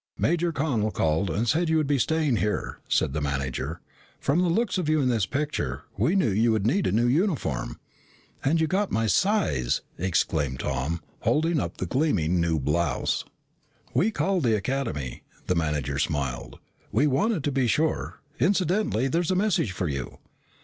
"Major Connel called and said you would be staying here," said the manager. "From the looks of you in this picture, we knew you would need a new uniform." "And you've got my size!" exclaimed Tom, holding up the gleaming new blouse. "We called the Academy." The manager smiled. "We wanted to be sure. Incidentally, there is a message for you."